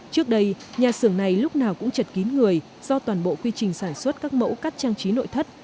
trước đây nhà xưởng này lúc nào cũng chật kín người do toàn bộ quy trình sản xuất các mẫu cắt trang trí nội thất